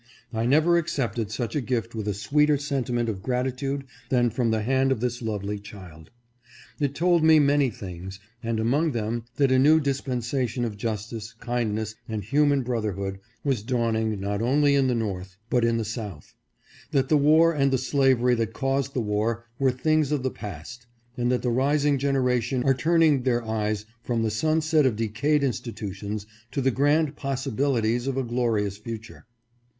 I never accepted such a gift with a sweeter sentiment of gratitude than from the hand of this lovely child. It told me many things, and among them that a new dispensation of justice, kindness, and human brotherhood was dawning not only in the North, 548 ADDRESS ON JOHN BROWN AT HARPER'S FERRY. but in the South; that the war and the slavery that caused the war were things of the past, and that the rising generation are turning their eyes from the sunset of decayed institutions to the grand possibilities of a glorious future.